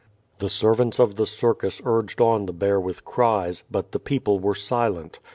The servants of the circus urged on the bear with cries, but the people were silent.